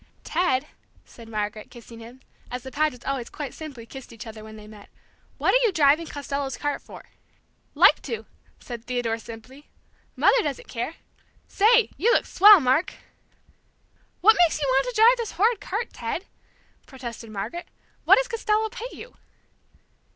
"Ted," said Margaret, kissing him, as the Pagets always quite simply kissed each other when they met, "what are you driving Costello's cart for?" "Like to," said Theodore, simply. "Mother doesn't care. Say, you look swell, Mark!" "What makes you want to drive this horrid cart, Ted?" protested Margaret. "What does Costello pay you?"